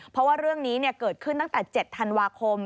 เพราะว่าเรื่องนี้เกิดขึ้นตั้งแต่๗ธันวาคม